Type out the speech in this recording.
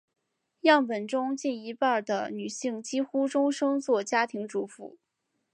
样本中近一半的女性几乎终生做家庭主妇。